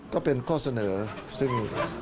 ก็เป็นข้อเสนอซึ่ง